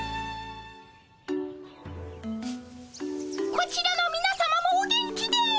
こちらのみなさまもお元気で！